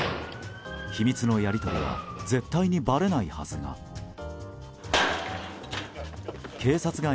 秘密のやり取りは絶対にばれないはずが。